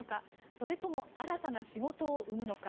それとも新たな仕事を生むのか。